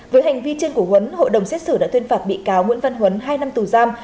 với hành vi trên của huấn hội đồng xét xử đã tuyên phạt bị cáo nguyễn văn huấn hai năm tù giam